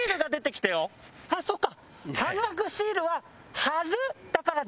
あっそっか！